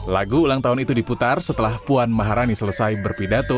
lagu ulang tahun itu diputar setelah puan maharani selesai berpidato